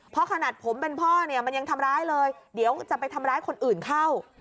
เพราะขนาดผมเป็นพ่อเนี่ยมันยังทำร้ายเลยเดี๋ยวจะไปทำร้ายคนอื่นเข้า